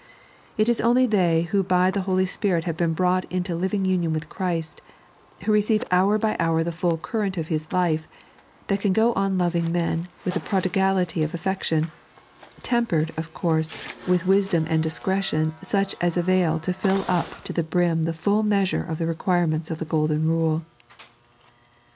It is only they who by the Holy Spirit have been brought into living union with Christ, who receive hour by hour the fuU curront of His life, that can go on loving men with the prodigality of affection — tempered, of course, with wisdom and discretion such as avail to fill up to the brim the full measure of the requirements of the Golden Bule.